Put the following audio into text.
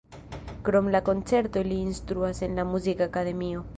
Krom la koncertoj li instruas en la muzikakademio.